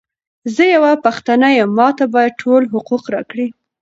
زۀ یوه پښتانه یم، ماته باید ټول حقوق راکړی!